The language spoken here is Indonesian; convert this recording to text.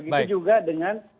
begitu juga dengan